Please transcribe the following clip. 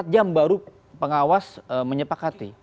dua puluh empat jam baru pengawas menyepakati